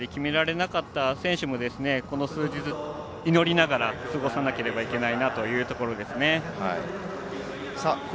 代表選考会で決められなかった選手も祈りながら過ごさなければいけないというところですね。